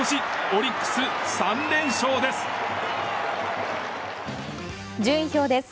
オリックス３連勝です。